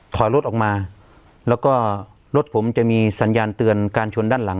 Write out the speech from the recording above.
ถอยรถออกมาแล้วก็รถผมจะมีสัญญาณเตือนการชนด้านหลัง